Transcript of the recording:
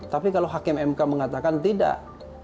tapi kalau hakim mk mengatakan tidak